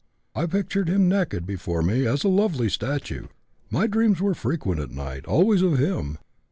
I pictured him naked before me as a lovely statue; my dreams were frequent at night, always of him.